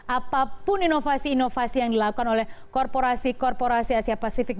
apapun inovasi inovasi yang dilakukan oleh korporasi korporasi asia pasifik